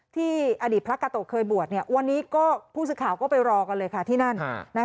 ที่อดีตพระกาโตะเคยบวชวันนี้ก็ผู้สื่อข่าวก็ไปรอกันเลยค่ะที่นั่น